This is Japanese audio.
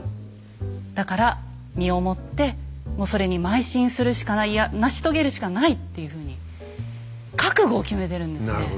だから身をもってもうそれに邁進するしかないいや成し遂げるしかないっていうふうに覚悟を決めてるんですね。